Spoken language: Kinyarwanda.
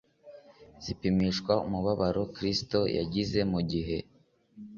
zipimishwa umubabaro Kristo yagize mu gihe